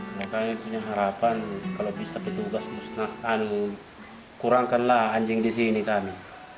mereka punya harapan kalau bisa petugas musnahkan kurangkanlah anjing di sini kami